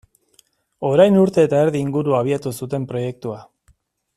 Orain urte eta erdi inguru abiatu zuten proiektua.